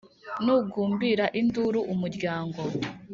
Nugumbira induru umuryango